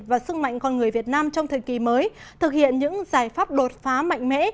và sức mạnh con người việt nam trong thời kỳ mới thực hiện những giải pháp đột phá mạnh mẽ